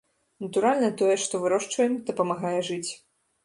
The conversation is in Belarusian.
Натуральна, тое, што вырошчваем, дапамагае жыць.